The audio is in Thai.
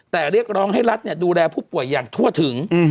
แต่เรียกร้องให้รัฐดูแลผู้ป่วยอย่างทั่วถึง